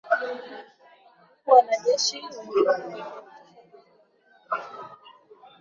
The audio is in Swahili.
Huku wanajeshi wengine wakiachishwa kazi na wengine wakishtakiwa